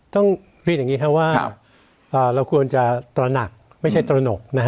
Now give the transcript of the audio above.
ต้องเรียนอย่างนี้ครับว่าเราควรจะตระหนักไม่ใช่ตระหนก